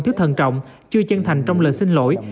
thiếu thần trọng chưa chân thành trong lời xin lỗi